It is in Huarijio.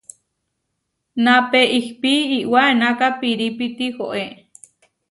Napé ihpí Iʼwá enaká pirípi tihoé.